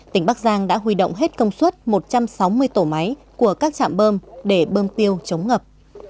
tỉnh bắc giang đã huy động hết công suất một trăm sáu mươi tổ máy của các trạm bơm để bơm tiêu chống ngập